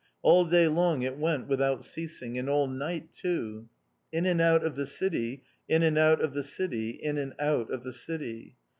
All day long it went without ceasing, and all night, too. In and out of the city, in and out of the city, in and out of the city.